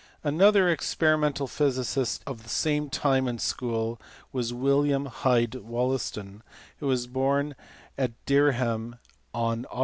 Another experimental physicist of the same time and school was William Hyde Wollaston, who was born at Dereham on Aug.